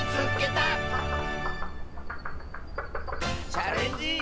「チャレンジ」。